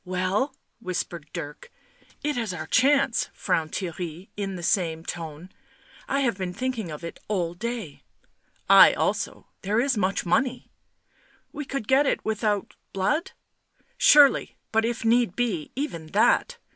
"Well?" whispered Dirk. "It is our chance," frowned Theirry in the same tone. " I have been thinking of it all day "' 1 I also ; there is much money. ..." "We could get it without ... blood?" " Surely, but if need be even that."